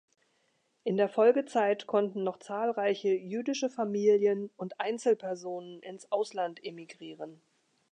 In der Folgezeit konnten noch zahlreiche jüdische Familien und Einzelpersonen ins Ausland emigrieren.